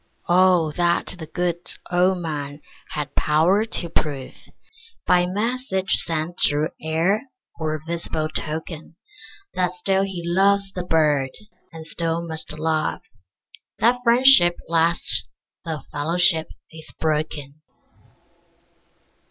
Oh that the good old Man had power to prove, By message sent through air or visible token, That still he loves the Bird, and still must love; That friendship lasts though fellowship is broken!